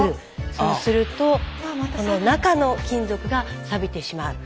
そうするとこの中の金属がサビてしまう。